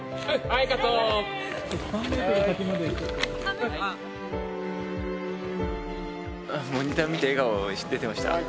あっモニター見て笑顔出てました？